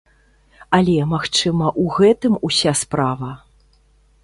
Але, магчыма, у гэтым уся справа?